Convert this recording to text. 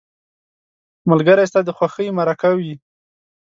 ملګری ستا د خوښۍ مرکه وي